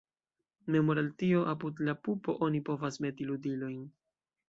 Memore al tio apud la pupo oni povas meti ludilojn.